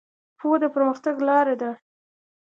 پوهه د پرمختګ لاره ده.